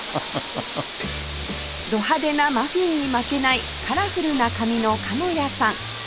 ド派手なマフィンに負けないカラフルな髪の彼ノ矢さん